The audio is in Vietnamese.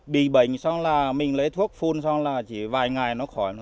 bị bệnh xong là mình lấy thuốc phun xong là chỉ vài ngày nó khỏi